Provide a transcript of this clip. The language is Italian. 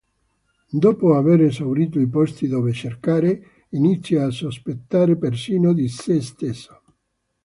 Dopo aver esaurito i posti dove cercare, inizia a sospettare persino di sé stesso.